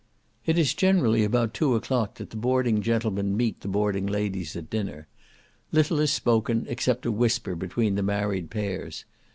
It is generally about two o'clock that the boarding gentlemen meet the boarding ladies at dinner. Little is spoken, except a whisper between the married pairs.